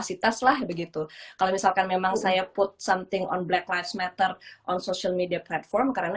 itu kalau misalkan memang saya put something on black lives matter on social media platform karena